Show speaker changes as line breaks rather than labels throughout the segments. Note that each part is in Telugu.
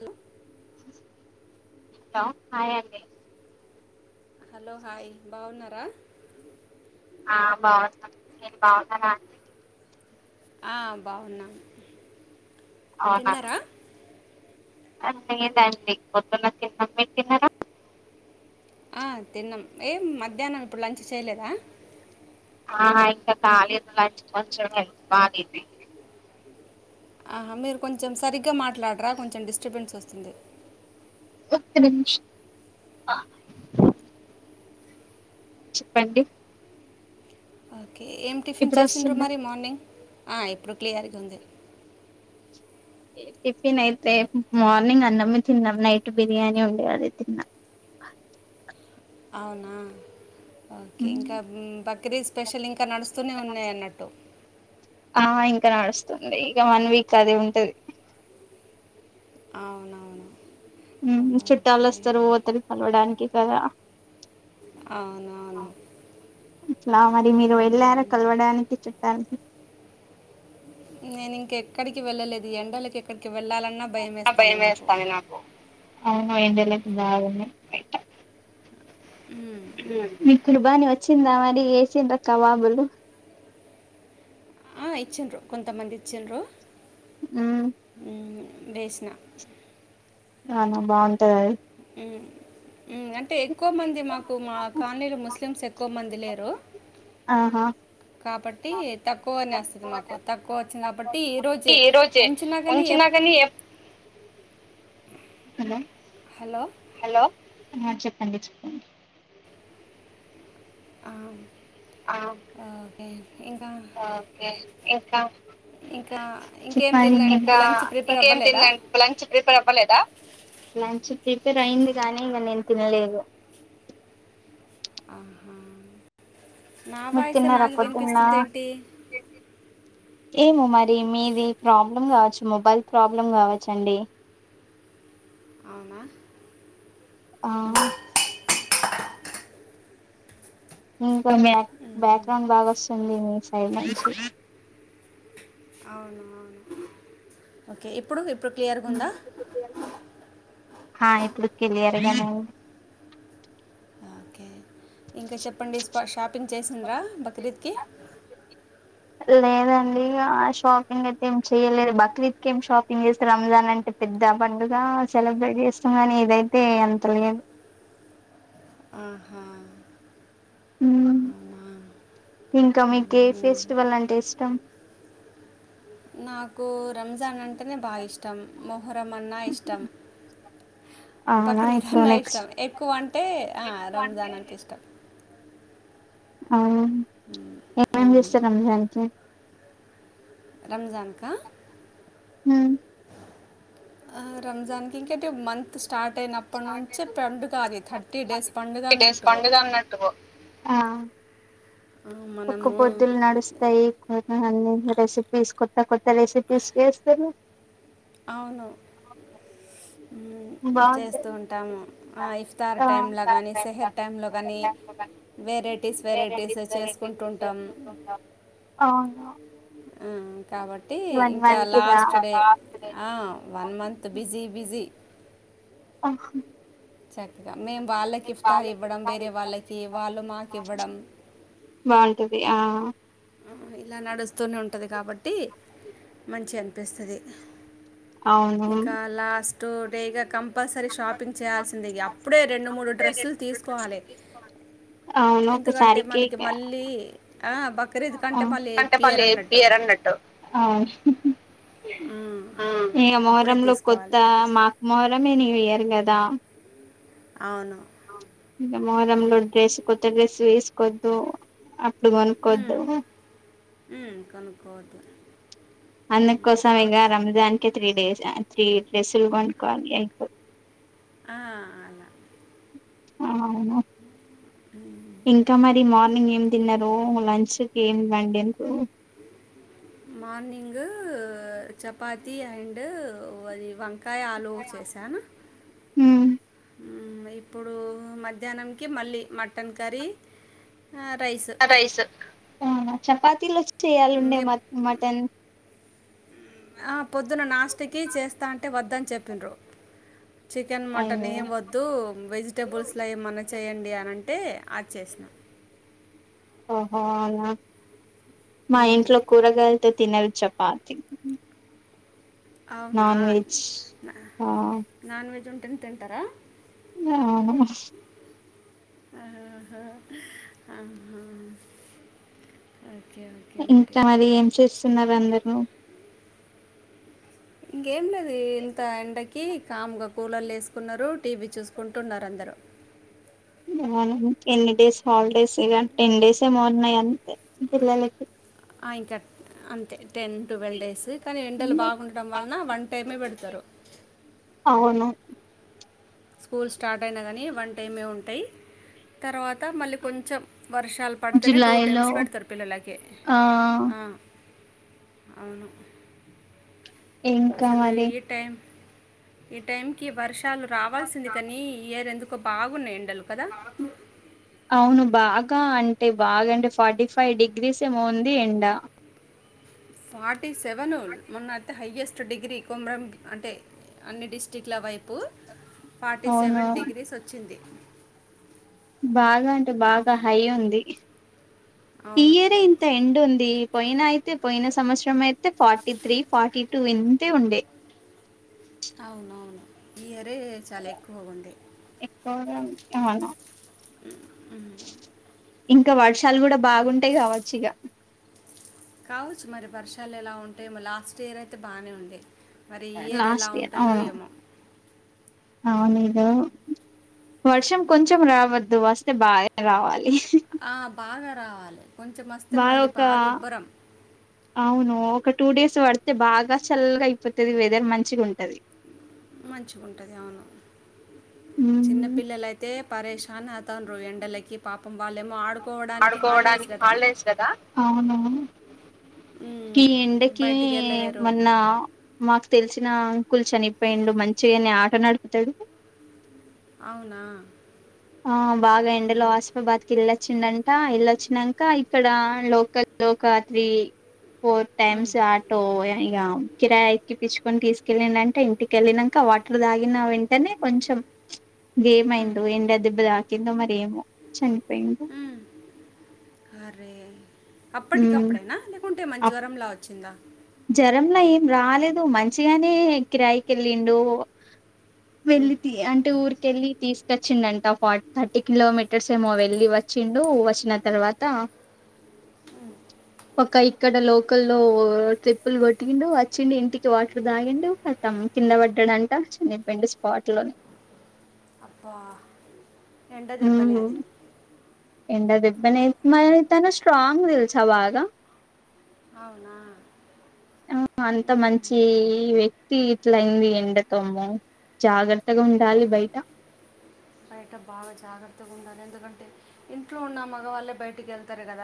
ఇకా
హలో హాయ్ అండి
హలో హాయ్ బాగున్నారా?
ఆ బాగున్నాం, మీరు బాగున్నారా అండి?
ఆ బావున్నా తిన్నార
ఆ లేదండి పొద్దున్న తిన్నాం. మీరు తిన్నరా?
ఆ తిన్నాం ఏం మధ్యాహ్నం ఇప్పుడు లంచ్ చేయలేదా?
ఆ ఇంకా కాలేదు లంచ్ కొంచెం [unintelligible]
ఆహ మీరు కొంచెం సరిగ్గా మాట్లాడరా కొంచెం డిస్టర్బెన్స్ వస్తుంది
ఒక నిమిష చెప్పండి
ఓకే ఏం టిఫిన్
ఇప్పుడు
చేసిండ్రు
వస్తుందా
మరి మార్నింగ్ ఇప్పుడు క్లియర్గా ఉంది
టిఫిన్ అయితే మార్నింగ్ అన్నమే తిన్నాం నైట్ బిర్యానీ ఉండే అది తిన్నా
అవునా ఓకే ఇంకా ముక్రిద్ స్పెషల్ ఇంకా నడుస్తూనే ఉన్నాయి అన్నట్టు
కా నడుస్తుంది ఇక వన్ వీక్ అదే ఉంటది
అవునవును
ఉమ్ చుట్టాలు
ఓకే
వస్తారు పోతారు కలవడానికి కదా
అవునవును
ఇట్లా మరి మీరు వెళ్ళారా కలవడానికి చుట్టాలనీ
నేను ఇంక ఎక్కడికి వెళ్ళలేదు ఎండలకు ఎక్కడికి వెళ్ళాలన్నా భయం వేస్తుంది నాకు
అవును ఎండలు అయితే బాగున్నాయి బయిట
మ్మ్.
మీ కుడా బానే వచ్చిందా మరి వేసిండ్ర కవాబులు
ఆ ఇచ్చిండ్రు కొంతమంది ఇచ్చిండ్రు
ఉ
మ్మ్, వేసిన
అవునా బాగుంటాద అది
ఉ ఉమ్ అంటే ఎక్కువ మంది మాకు మా కాలనీలో ముస్లిమ్స్ ఎక్కువ మంది దిలేరు
ఆహా
కాబట్టి తక్కువనే వస్తుంది మాకు తక్కువ వచ్చింది కాబట్టి ఈరోజు
ఈ రోజే
ఉంచినా కానీ ఎప్
హలో
హలో
హలో ఆ చెప్పండి చెప్పండి
ఆ,
ఆ
ఓకే ఇంకా
ఒకే ఇంకా
ఇంకా ఇంకేం తినలేండి
ఇంకా
లంచ్ ప్రిపేర్
ఇంకా ఏం
అవ్వలేదా
తినలే లంచ్ ప్రిపేర్ అవ్వలేదా లంచ్ ప్రిపేర్ అయింది కానీ ఇంగ నేను తినలేదు
నా
మీరు
వాయసే
తిన్నారా
నాకు
పొద్దున్న
వినిపిస్తుంది ఏంటి
ఏమో మరి మీది ప్రాబ్లం కావచ్చు మొబైల్ ప్రాబ్లం కావచ్చండి
అవునా
ఆ ఇంకా బ్యాక్ బ్యాక్గ్రౌండ్ బాగా వస్తుంది మీ సైడ్ నుంచి
అవును అవును ఓకే ఇప్పుడు ఇప్పుడు క్లియర్ గుందా
ఆ ఇప్పుడు కిలియర్గానే ఉంది
ఓకే ఇంకా చెప్పండి స్పా షాపింగ్ చేసిండ్రా బక్రీద్కి
లేదండి ఆ షాపింగ్ అయితే ఏం చేయలేదు. బక్రీద్కి ఏం షాపింగ్ చేస్తారు. రంజాన్ అంటే పెద్ద పండుగ సెలబ్రేట్ చేస్తాం గానీ ఇదైతే అంత లేదు
ఊ హు
హ్మ్ ఇంకా మీకే
మ్మ్.
ఫెస్టివల్ అంటే ఇష్టం
నాకు రంజాన్ అం టేనే బాగిష్టం మొహరం అన్నా ఇష్టం
అవునా ఇప్పుడు
బక్రీదన్న
నెక్స్ట్
ఇష్టం. ఎక్కువ అంటే ఆ
ఎక్కువ అంటే
రంజానంటే ఇష్టం
అవును. ఏమేం
మ్మ్.
చేస్తార్ రంజాన్కీ
రంజాన్కా
హూ
ఆ రమజాన్కి ఇంకే టుబ్ మంత్ స్ స్టార్ట్
స్టార్ట్
అయినప్పనుంచి
అయినాక
పెండుగ అది. థర్టీ డేస్ పండుగ
త్రీ డేస్
అన్నట్టు
పండుగ అన్నట్టుగో ఆ
ఆ,
ఒక్క
మనము
పొద్దులు నడుస్తాయ్ కో ఆహ్ అన్ని రెసిపీస్ కొత్త కొత్త రెసిపీస్ చేస్తరు
అవును
బాగుంటాయి
చేస్తుంటాము. ఆ ఇఫ్తార్
ఆ
టైంల్ల గానీ సెహర్ టైంలో గానీ. వెరైటీస్ వెరైటీస్
వెరైటీస్
చేసుకుంటూంటాం
చేసుకుంటుంటాం అవును
ఆ కాబట్టి
వన్
ఇంకా
మంత్ గా
లాస్ట్ డే
లాస్ట్ డే
ఆ వన్ మంత్ బిజీ బిజీ
ఆ హు
చక్కగా మేము వాళ్ళకి ఇఫ్తారు ఇవ్వడం వేరే వాళ్ళకి వాళ్ళు మాకు ఇవ్వడం
బాగుంటది ఆ
హ్మ్ ఇలా నడుస్తూనే ఉంటది కాబట్టి మంచి అన్ పిస్తది
అవును
ఇంకా లాస్ టు డే గా కం పసరీ షాపింగ్ చేయాల్సిందే. అప్పుడే రెండు మూడు డ్రెస్సుల్ తీసుకోవాలే.
అవును
ఎంతుకంటే మనకి మళ్ళీ ఆ బ
అంటే పల్లెపియారన్నట్టు
ఆ,
ఇంగా
అప్పుడే
మొహరంలో కొత్త
తీసుకోవాలి
మాక్ మొహర్ రమ్మీ న్యూఇయర్ గదా
అవును
ఇంగా మొహర్రం లో డ్రెస్ కొత్త డ్రెస్ వేసుకోద్దు. అట్లు కొనుక్కోద్దు
హుమ్ కొనుక్కోవద్దు
అందం
ఉమ్,
కోసం ఇంగా
కాబట్టి
రంజాన్ కి త్రీ డేస్ త్రీ పెస్సులు గొన్క్కోవాలి యంగ్ పో
ఆ అలా
ఆ అవునా ఇంకా మరి మార్ని ఏం తిన్నారు లంచ్కి ఏమి [unintelligible]
మార్నింగ్ చపాతి అండ్ అది వన్ వంకాయ ఆలు చేసాను
మ్
ఇప్పుడు మధ్యాహ్నంకి మళ్ళీ మటన్ కర్రీ
రైస్ చపాతిలోచ్ చేయాలి ఉండే మ మటన్
ఆ పొద్దున్న నాస్తికి చేస్తాంటే వద్దని చెప్పిండ్రు చికెన్ మటన్
అయ్యో
ఏం వద్దు వెజిటేబుల్స్ లో ఏమన్న చేయండి అని అంటే ఆది చేసిన
ఓహో ఔనా మా
మ్మ్.
ఇంట్లో కూరగాయలతో తినరు చపాతి
అవునా
నాన్ వెజ్
న
ఆ
నాన్ వెజ్ వన్ తిన్ తింటారా
ఆ
[unintelligible]
ఇంకా మరి ఏం చేస్తున్నారు అందరుూ
ఏం లేదు ఇంత ఎండ క కామ్గా కూలర్లు వేసుకున్నారు టీవీ చూసుకుంటున్నారు అందరుూ
న ఎన్ని డేస్ హాలిడేస్ ఇ టెన్ డేస్ ఏమో ఉన్నాయి అంతే పిల్లలకి
ఆ ఇంకా అంతే టెన్ ట్వెల్వ్ డేస్ కానీ ఎండలు బాగుండడం వలన వన్ టైమే పెడు తరు
అవును
స్కూల్ స్టార్ట్ అయినా కానీ వన్ టైమే ఉంటాయి తర్వాత త్త మళ్ళీ కొంచెం వర్షాలు పడితేనే టూ
జులై లో
టైమ్స్ పెడతారు పిల్లలకి
ఆ
అవును
ఇంకా
అసలు
మరి
ఈ టైం ఇ టైం కి వర్ష షాలు రావాల్సింది కానీ ఈ యియర్ ఎందుకు [unintelligible] అల్ కద
అవును బాగా అంటే బాగా అంటే ఫార్టీ ఫైవ్ డిగ్రీస్ ఏమోవుంది ఎండ
ఫార్టీ సెవెను మొన్న అయితే హయ్యెస్ట్ డిగ్రీ కొమరం అంటే అన్ని డిస్టిక్ల వైపు ఫార్టీ
అవును
సెవెన్ డిగ్రీస్ వచ్చింది
బాగా అంటే బాగా హై ఉంది
అవును
ఈయర్ ఇంత ఎం ఉంది పోయిన అయితే పోయిన సంవత్సరం అయితే ఫార్టీ త్రీ ఫార్టీ టూ ఇంతే ఉండే
అవునవును ఈ చాలా ఎక్కువగా ఉంది
ఎకువ అవునా ఇంకా వర్షాలు కూడా బాగుంటాయి కావచ్చు ఇక
కావచ్చు మరి వర్షాలు ఎలా ఉంటాేమో లాస్ట్ ఇయర్ అయితే బాగానే ఉండే మరి ఈ ఎలా
లాస్ట్ ఇయర్
ఉంటాయో
అవును
ఏమో
అవునుద వర్షం కొంచెం రావద్దు వస్తే బాగా రావాలి
బాగా రావాల
వాళొక అవును ఒక టూ డేస్ పడుతు అతే బాగా చల్గా అయిపోతుది వెదర్ మంచిగా ఉంటది
మంచిగా ఉంటుంది అవును
ఉమ్
చిన్నపిల్లలయితే పరేేశాన్ అతాను ఎండలకి పాపం వాళ్ళేమో ఆడుకోవడానికి హాలిడేస్
ఆడుకోవడానికి
కదా
హల్డేస్ కదా అవును
ఉమ్,
ఈ ఎండకి
బయటికి వెళ్ళలేరు
మన్న మాకు తెలిసిన స్కూల్ చనిపోయిండు మంచిగానే ఆట నడుపుతాడు
అవునా
ఆ బాగా ఎండలో
ఉహు.
ఆస్బాద్కిల్లా వచ్చిందంట ఇల్ళొచ్చానంక ఇక్కడ లోకల్ లోకాత్రి ఫోర్
ఉమ్,
టైమ్స్ ఆటో అడిగాము కిరాయి ఎక్కి పిచ్చుకొని తీసుకెళ్ళిండు అంట ఇంటికిళ్ళినంక వాటర్ దాగిన వెన్ వెంటనే కొంచెం గేమ్
ఉమ్,
అయింది ఎండ ఇదాకంది మరేమో చనిపోయింది
ఉమ్. అప్పట్టి కప్పుడే నా లేకు అంటే మన జ్వరం లా వచ్చు ఇంగా
జ్వరలా ఏం రాలేదు మంచిగానే కిరాయికి వెళ్ళిండు
ఉమ్.
వెళ్ళితి అంటే ఊరిక వెళ్ళి తీసు వచ్చిండంట ఫార్ థర్టీ కిలోమీటర్స్ ఏమో వెళ్ళి వచ్చిండు వచ్చిన తర్వాత ఒక ఇక్కడ లోకల్ల్ ట్రిప్పులు కొట్టిండు వచ్చిండి ఇంటికి వాటర్ తాగిండు కింద పడ్డాడంట చనిపోయిడు స్పాట్లోని
అబ్బా ఎండ దబ్బనే అది
ఏండ దెబ్బ నే మరి తను స్ట్రాంగ్ తెలుస బాగా
అవునా
ఆ అంత మంచి వ్యక్తి ఇట్లయింది ఎండకమో జాగ్రత్త ఎత్తగ ఉండాలి బయట
బయట బాగా జాగ్రత్తగ ఉండాలి ఎందుకంటే ఇంట్లో ఉన్న మగవాళ్ళే బయటికి వెళ్తారు కద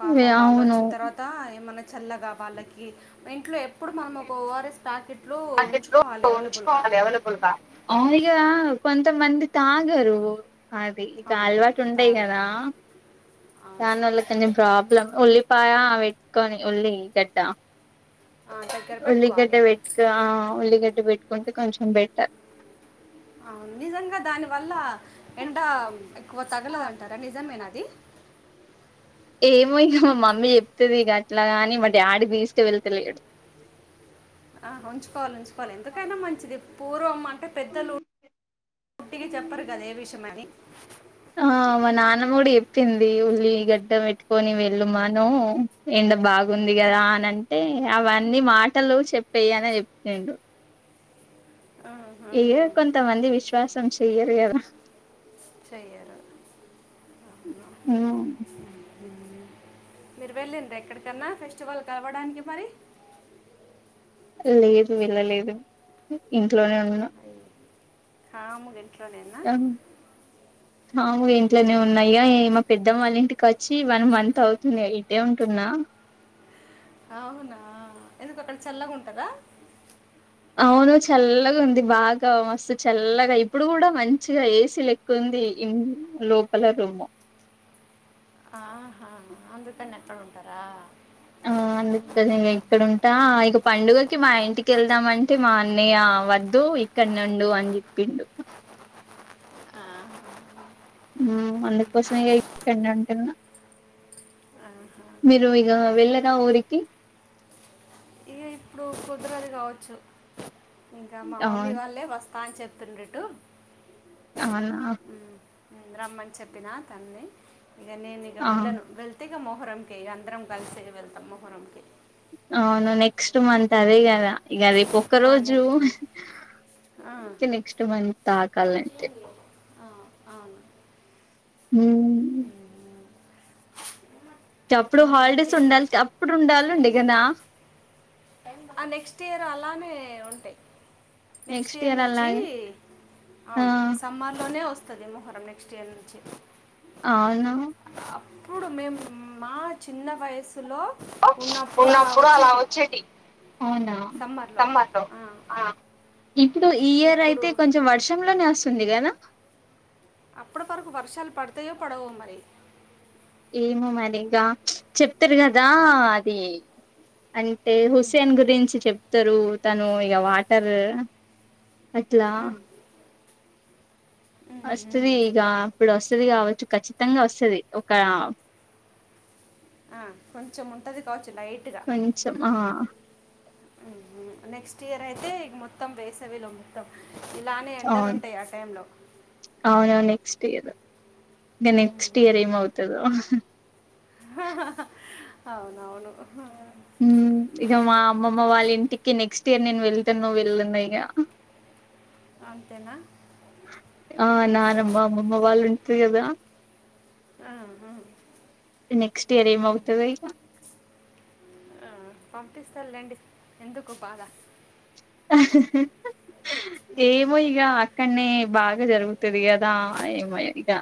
పాపం వాళ్ళు
అవును
వచ్చిన తర్వాత ఏమన్న చల్లగ వాళ్ళకి ఇంట్లో ఎప్పుడు మనం ఒక ఓఆర్ఎస్ ప్యాకెట్
పాకెట్ లో ఉంచుకోవాలి అవైలబుల్ గ కొ కొంత మంది తాగరు అది ఇక
అవును
అలవాటు ఉంటాయి
తాగరు
కదా దానివల్ల కొంచెం ప్రాబ్లమ్ ఓల్లీ పాయ పెట్టుకొని ఉల్లి గడ్డ
ఆ దగ్గర పెట్టుకోవాలి
ఉల్లిగడ్డ పెట్టుకుంటే కొంచెం బెటర్
అవును నిజంగ దాని వల్ల ఎండ ఎక్కువ తగలదుంటారా నిజ నా అది
ఏమో ఇంక మా మమ్మీ చెప్తది ఇక అట్లాగాని మా డాడీ తీసి వెళ్ళ తెలిడం
ఆ ఉంచుకోవాలి ఉంచుకోవాలి ఎందుకైన మంచిది పూర్వం అంటే పెద్దలు ఉట్టుగ చెప్పరు కద ఏ విషయమని
పింది ఉల్లి గడ్డ పెట్టుకొని వెళ్ళుమను ఎండ బాగా గుంది కదా అని అంటే అవన్నీ మాటలు చెప్పేయి అని చెప్పిండు
ఆ
ఇగ కొంతమంది విశ్వాసం చెయ్యరు ఎద
చేయరు అవు
హ్మ్
మీరు వెళ్ళిం ఎక్కడికన్నా ఫెస్టివల్ కలవడానికి మరి
లేదు వెళ్ళలేదు ఇంట్లోనే ఉన్న
హా ముదనికిని
మాములు ఇంట్లోనే ఉన్నాయా మా పెద్దమ్మళ్ళ ఇంటికి వచ్చి వన్ మంత్ అవుతుంది ఇటే ఉంటున్న
అవునా ఎందుకు అక్కడ చల్లగ ఉంటద
అవును చల్లగ ఉంది బాగా మస్తు చల్లగా ఇప్పుడు కూడా మంచిగా ఏసీ లెక్కుంది లోపల రూమ్
ఆహా అందుకని ఎక్కడ ఉంటారా
ఆ అందుకే ఇగ ఇక్కడుంటా ఇక పండుగకి మా ఇక్కడ నుండు అని చెప్పిండు అందుకోసమేండి ఉంటున్నా
ఆహా.
మీరు ఇగ వెేళ్ళ నా ఊరికి.
ఇ ఇప్పుడు పొదుగాలే కావచ్చు. ఇంక మా
ఆ
మమ్మీ వాళ్ళే వస్ పాన్ చెప్తుండ్రెట్టు.
అవునా
రమ్మని చెప్పినా తన్ని. ఇగ నేనిగ
ఆ
వెళ్ళను. వెళ్తె ఇగ మొహరంకే అందరం కలిసి వెళ్తం మొహరం కె
అవును నెక్స్ట్ మంత్ అదే గద ఇగ రేప్ ఒక రోజు
నెక్స్ట్
తె నెక్స్ట్ మంత్ తాగాలంటే
ఆ అవును.
మామ్
ఇంకా
హాలిడేస్
ఇంకేంటి
ఉండాలి
విశేష్
అప్పుడు ఉండాలుండే కదా
ఆ నెక్స్ట్ ఇయర్ అలానే యే ఉంటాయి. నెక్స్ట్ ఇయర్ నుంచి
ఆ
అవును సమ్మర్ లోనే వస్ తది మొహరం నెక్స్ట్ఇయర్ నుంచి
అవునా
ప్పుడు మేము మా చిన్న వయసులో
ఉన్నప్పుడు అలా వచ్చేటి
సమ్మర్లో
మాతో ఆ ఇప్ ప్పుడు ఈ ఇయర్
ఇప్పుడు
అయితే కొంచెం వర్షంలోనే వస్తుందిగ న
అప్పటి వరకు వర్షాలు పడతాయో పడవో మరి.
ఏమో మరి ఇంగా చెప్తరు గదా అది అంటే హుస్సేన్ గురించి చెప్ తరూ తను ఇక వాటర్ అట్లా
ఉమ్, ఉమ్,
వస్తది
ఉమ్.
ఇగ అప్పుడు వస్తది కావచ్చు ఖచ్చితంగా వస్తది ఒక
ఆ కొంచెం ఉంటది కావచ్చు లైట్గా
కొంచెం ఆ
ఊ నెక్స్ట్ ఇయర్ అయితే ఇక మొత్తం వేసవిలో మొత్తం ఇలానే
అవును
ఎండలుంటాయి ఆ టైంలో
తెయద నె
ఉమ్.
నెక్స్ట్ ఇయర్ ఏం అవుతదో తు
అవునవును
ఇక మా అమ్మమ్మ వాళ్ళ ఇంటికి నెక్స్ట్ ఇయర్ నేను వెళ్తనో వెళ్ళనో ఇగా
అంతేనా
ఆ
ఉమ్,
నానమ్మ అమ్మమ్మ వాళ్ళు ఉంటర్ కదా
ఆ ఆ
నెక్స్ట్ ఇయర్ ఏంమవుతదో ఇగ
పటిస్తర్ లేండి ఎందుకు బాధ
ఏమో ఇగా అక్కడనే బాగ్ గా జరుగుతది కదా ఏమో ఇగా